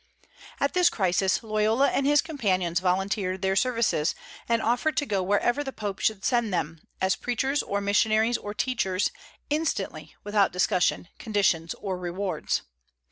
At this crisis Loyola and his companions volunteered their services, and offered to go wherever the Pope should send them, as preachers, or missionaries, or teachers, instantly, without discussion, conditions, or rewards.